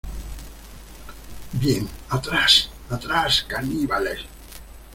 ¡ Bien, atrás! ¡ atrás , caníbales !